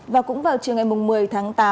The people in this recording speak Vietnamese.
và cũng vào trường ngày một mươi tháng tám